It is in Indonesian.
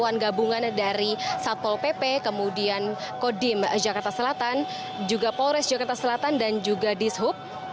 yang gabungan dari satpol pp kemudian kodim jakarta selatan juga polres jakarta selatan dan juga dishub